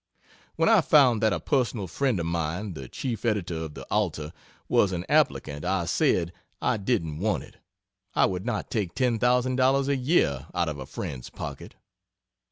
When I found that a personal friend of mine, the Chief Editor of the Alta was an applicant I said I didn't want it I would not take $10,000 a year out of a friend's pocket.